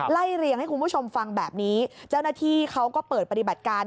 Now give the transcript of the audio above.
เรียงให้คุณผู้ชมฟังแบบนี้เจ้าหน้าที่เขาก็เปิดปฏิบัติการ